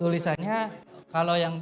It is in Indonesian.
tulisannya kalau yang